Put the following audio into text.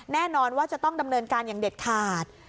แน่นอนว่าจะต้องดำเนินการอย่างเด็ดขาด